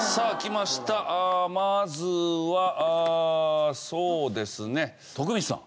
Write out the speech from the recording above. まずはそうですね徳光さん。